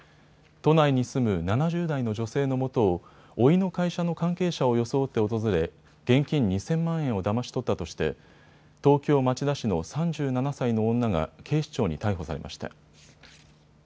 都内に住む７０代の女性のもとをおいの会社の関係者を装って訪れ現金２０００万円をだまし取ったとして東京町田市の３７歳の女が警視庁に逮捕されました。